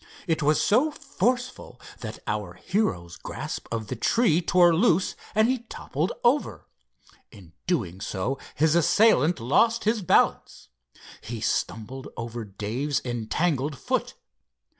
It was so forceful that our hero's grasp of the tree tore loose, and he toppled over. In doing so his assailant lost his balance. He stumbled over Dave's entangled foot.